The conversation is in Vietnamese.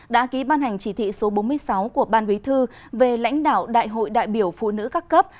đã ký ban hành chỉ thị số bốn mươi sáu của ban bí thư về lãnh đạo đại hội đại biểu phụ nữ các cấp